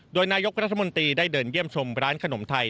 โดยนายกรัฐมนตรีได้เดินเยี่ยมชมร้านขนมไทย